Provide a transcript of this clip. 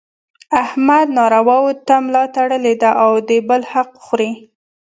احمد نارواوو ته ملا تړلې ده او د بل حق خوري.